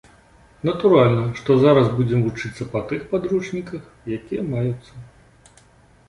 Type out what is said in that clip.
Натуральна, што зараз будзем вучыцца па тых падручніках, якія маюцца.